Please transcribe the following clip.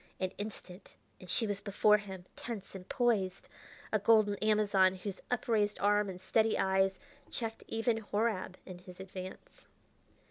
An instant and she was before him, tense and poised, a golden Amazon, whose upraised arm and steady eyes checked even Horab in his advance.